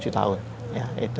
tujuh tahun ya itu